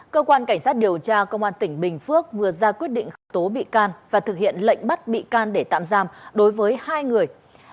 cơ quan cảnh sát điều tra công an tỉnh bình phước vừa ra quyết định khởi tố bị can và thực hiện lệnh bắt bị can để tạm giam đối với hai người